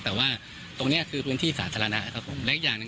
แต่ว่าตรงเนี่ยคือพื้นที่สาธารณะครับผม